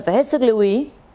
phải hết sức lưu ý